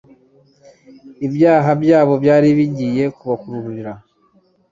ibyaha byabo byari bigiye kubakururira.